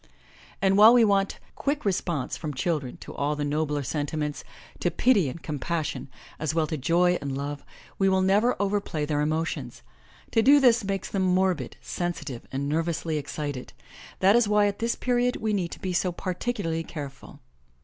And while we want quick response from children to all the nobler sen timents, to pity and compassion, as well as to joy and love, we will never overplay their emotions. To do this makes them morbid, sensitive and nervously excited. That is why at this period we need to be so particularly careful.